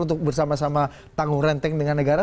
untuk bersama sama tanggung renteng dengan negara